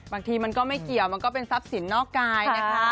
บางทีมันก็ไม่เกี่ยวมันก็เป็นทรัพย์สินนอกกายนะคะ